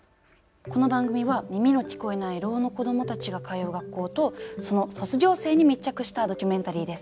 この番組は耳の聞こえないろうの子どもたちが通う学校とその卒業生に密着したドキュメンタリーです。